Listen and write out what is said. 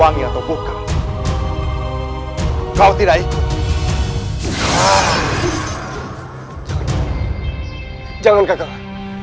dari saat ini aku tidak bisa pergi jauh dari muka kau